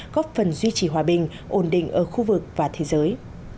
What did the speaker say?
góp phần duy trì hòa bình ổn định ở khu vực và thế giới